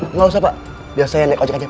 enggak usah pak biar saya naik ojek aja pak